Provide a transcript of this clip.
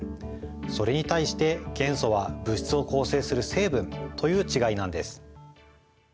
それに対して元素は物質を構成する成分という違いなんです。